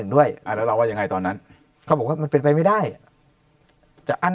ด้วยแล้วเราว่ายังไงตอนนั้นเขาบอกว่ามันเป็นไปไม่ได้จะอั้น